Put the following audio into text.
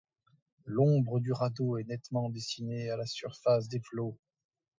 L’ombre du radeau est nettement dessinée à la surface des flots.